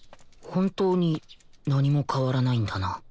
本当に何も変わらないんだな